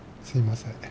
すいません。